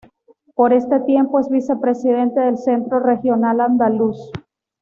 Por este tiempo es vicepresidente del Centro Regional Andaluz.